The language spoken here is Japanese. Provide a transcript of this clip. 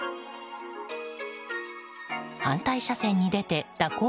反対車線に出て蛇行